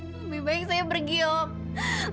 lebih baik saya pergi om